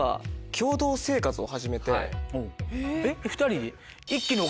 えっ２人。